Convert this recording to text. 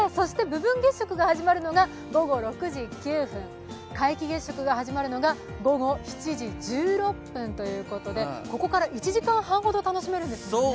部分月食が始まるのが午後６時９分、皆既月食が始まるのが午後７時１６分ということでここから１時間半ほど楽しめるんですよね。